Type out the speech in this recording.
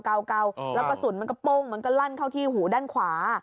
แล้วกระสุนมันก็โป้งมันก็ลั่นเข้าที่หูด้านขวา